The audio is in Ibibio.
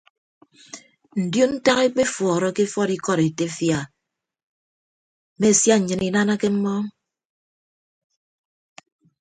Ndion ntak ekpefuọrọke efuọd ikọd etefia a mme sia nnyịn inanake mmọọñ.